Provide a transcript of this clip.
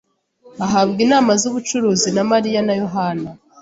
ahabwa inama zubucuruzi na Mariya na Yohana.